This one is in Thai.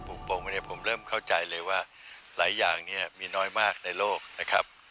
ผมเริ่มเข้าใจเลยว่าหลายอย่างนี้มีน้อยมากในโลกนะครับ